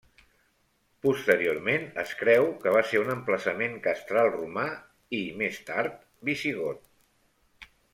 Posteriorment es creu que va ser un emplaçament castral romà i, més tard, visigot.